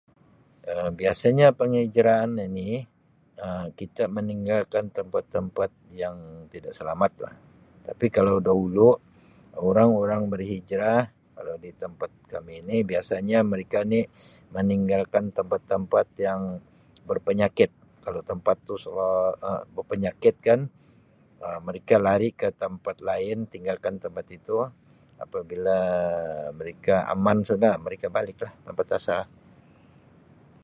Um Biasanya penghijraan ini Um kita meninggalkan tempat-tempat yang tidak selamatlah tapi kalau dahulu orang-orang berhijrah kalau di tempat kami ni biasanya mereka ni meninggalkan tampat-tampat yang berpenyakit kalau tempat tu sua Um berpenyakit kan [Um]mereka lari ke tempat lain tinggalkan tempat itu apabila mereka aman sudah mereka baliklah tempat asal.